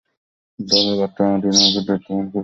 দলের বর্তমান অধিনায়কের দায়িত্ব পালন করছেন সানা মীর।